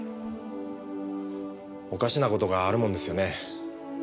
おかしなことがあるもんですよね。